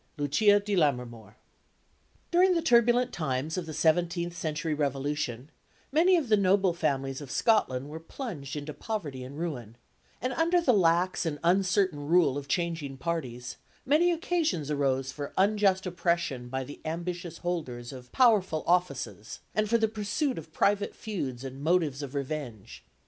LUCIA DI LAMMERMOOR During the turbulent times of the seventeenth century revolution, many of the noble families of Scotland were plunged into poverty and ruin; and under the lax and uncertain rule of changing parties, many occasions arose for unjust oppression by the ambitious holders of powerful offices, and for the pursuit of private feuds and motives of revenge.